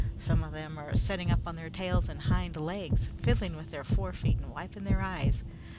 Some of them are setting up on their tails and hind legs, fiddling with their fore feet and wiping their eyes.